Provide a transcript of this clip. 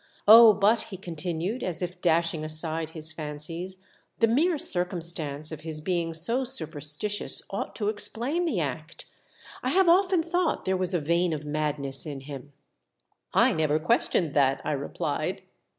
" Oh, but," he continued, as if dashino aside his fancies, '' the mere circumstance of his beine 58 THE DEATH SHIP. SO superstitious ought to explain the act. I have often thought there was a vein of madness in him." " I never questioned that," I replied.